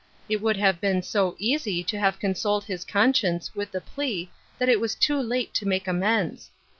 It would have been so easy to have consoled his conscience with the plea that it was too lute to make amends.